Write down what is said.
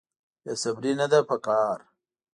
بې صبري نه ده په کار.